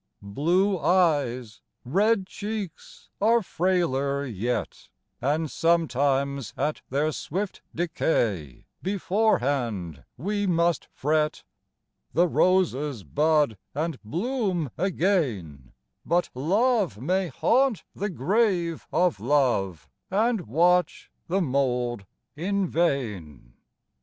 Blue eyes, red cheeks, are frailer yet; And sometimes at their swift decay Beforehand we must fret. The roses bud and bloom, again; But Love may haunt the grave of Love, And watch the mould in vain.